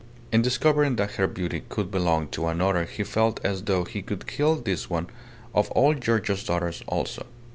In discovering that her beauty could belong to another he felt as though he could kill this one of old Giorgio's daughters also.